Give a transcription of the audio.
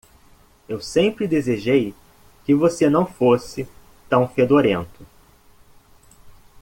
Eu sempre desejei que você não fosse tão fedorento.